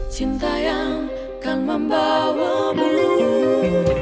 cinta yang akan membawa kita ke dunia